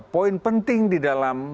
poin penting di dalam